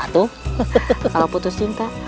kalau putus cinta